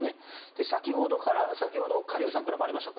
先ほどカ・リュウさんからもありました